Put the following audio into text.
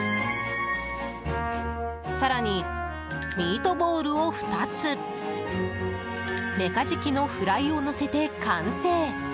更にミートボールを２つメカジキのフライをのせて完成。